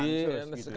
di sekalian sekali ya